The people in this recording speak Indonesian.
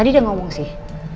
dia udah ngomong sih